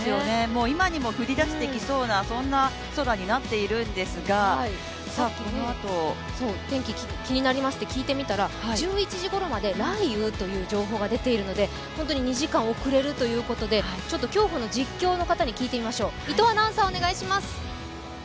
今にも降りだしてきそうな空になっているんですが天気、気になりますので、聞いてみたら、１１時ごろまで雷雨という情報が出ているので本当に２時間遅れるということで競歩の実況の方に聞いてみましょう。